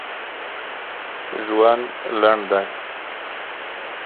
ژوند لنډ دي!